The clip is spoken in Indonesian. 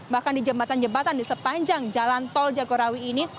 bahkan di jembatan jembatan di sepanjang jalan tol jagorawi ini